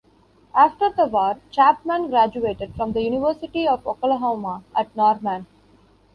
After the war, Chapman graduated from the University of Oklahoma at Norman.